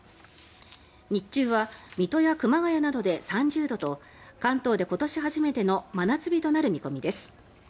日中は水戸や熊谷などで３０度と関東で今年初めての真夏日となる見込みです。